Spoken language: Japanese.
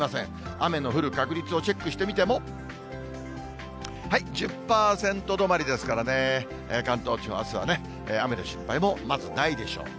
雨の降る確率をチェックしてみても、１０％止まりですからね、関東地方、あすはね、雨の心配もまずないでしょう。